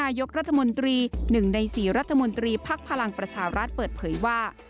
นายกรัฐมนตรี๑ใน๔รัฐมนตรีภักดิ์พลังประชารัฐเปิดเผยว่า